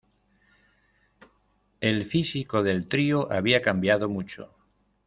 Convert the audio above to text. El físico del trío había cambiado mucho.